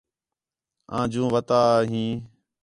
آں جوں وَتا آ ہیں